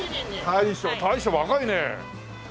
大将大将若いね。